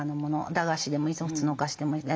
駄菓子でもいいし普通のお菓子でもいい。